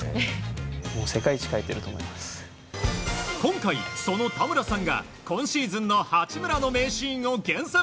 今回、その田村さんが今シーズンの八村の名シーンを厳選。